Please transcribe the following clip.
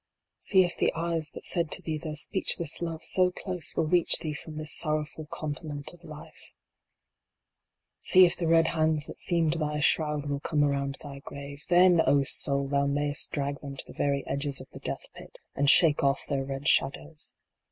See if the eyes that said to thee their speechless Love so close will reach thee from this sorrowful continent of Life. HEMLOCK IN THE FURROWS. 81 See if the red hands that seamed thy shroud will come around thy grave. Then, O Soul ! thou mayst drag them to the very edges of the Death pit, and shake off their red shadows